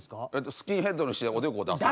スキンヘッドにしておでこを出す。